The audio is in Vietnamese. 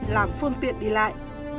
và làm phương tiện đi lại